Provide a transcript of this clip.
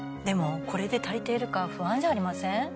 でもこれで足りているか不安じゃありません？